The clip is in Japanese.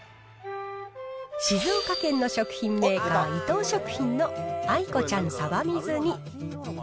静岡県の食品メーカー、伊藤食品のあいこちゃん鯖水煮。